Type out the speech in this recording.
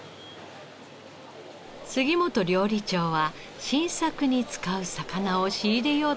杉本料理長は新作に使う魚を仕入れようとやって来ました。